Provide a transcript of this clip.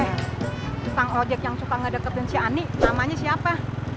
eh sang ojek yang suka ngedeketin si ani namanya siapa